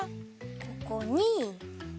ここに。